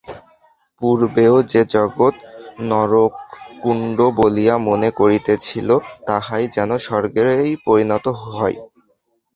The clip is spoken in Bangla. পূর্বে যে জগৎ নরককুণ্ড বলিয়া মনে হইতেছিল, তাহাই যেন স্বর্গে পরিণত হয়।